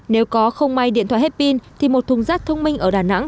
nếu có không may điện thoại hết pin thì một thùng rác thông minh ở đà nẵng